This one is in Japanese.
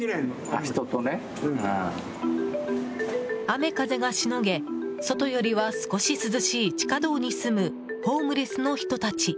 雨風がしのげ外よりは少し涼しい地下道に住むホームレスの人たち。